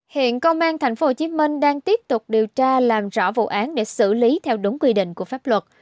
hiện công an tp hcm đang tiếp tục điều tra làm rõ vụ án để xử lý theo đúng quy định của pháp luật